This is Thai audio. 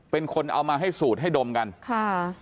เป็นคนเอามาให้สูตรให้ดมกันค่ะ